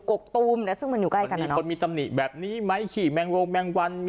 ดุกกตูมแล้วซึ่งมันคดมีตรรมหนีแบบนี้ไม่ขี่แมมวงแมมวัน